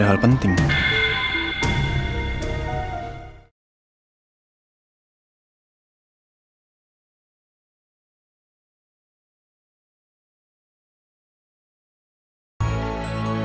aku memanggil kamu karena aku mau izin ke thailand